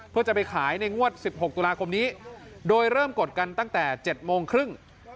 เพื่อจะไปขายในงวด๑๖ตุลาคมนี้โดยเริ่มกดกันตั้งแต่๗โมงครึ่ง